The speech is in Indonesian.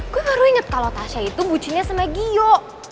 gue baru inget kalo tasha itu bucinnya sama gio